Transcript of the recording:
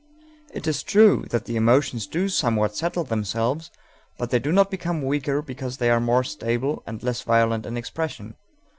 It is true that the emotions do somewhat settle themselves, but they do not become weaker because they are more stable and less violent in expression.